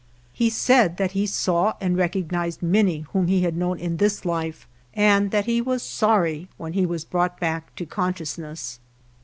He said that he saw and recognized many whom he had known in this life, and that he was sorry when he was brought back to consciousness.